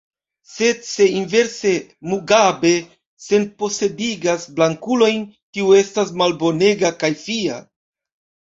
Sed se inverse Mugabe senposedigas blankulojn, tio estas malbonega kaj fia.